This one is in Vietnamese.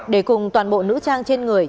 để cùng toàn bộ nữ trang trên người